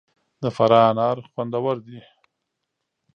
د فراه انار خوندور دي